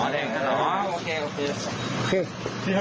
กลุ่มตัวเชียงใหม่